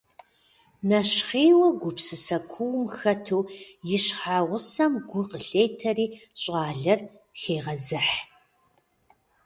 Нэщхъейуэ, гупсысэ куум хэту и щхьэгъусэм гу къылъетэри щӀалэр хегъэзыхь.